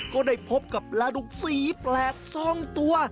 ก็ได้พบกับปลาดุกสีแปลก๒ตัว